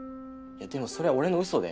でもそれは俺の嘘で。